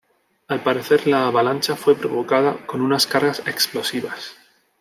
Al parecer la avalancha fue provocada con unas cargas explosivas.